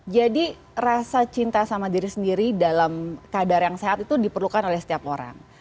jadi rasa cinta sama diri sendiri dalam kadar yang sehat itu diperlukan oleh setiap orang